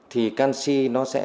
thì canxi nó sẽ